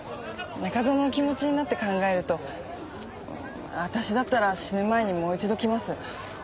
中園の気持ちになって考えると私だったら死ぬ前にもう一度来ます。